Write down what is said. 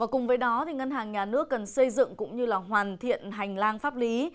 cùng với đó ngân hàng nhà nước cần xây dựng cũng như hoàn thiện hành lang pháp lý